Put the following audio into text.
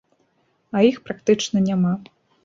А іх практычна няма.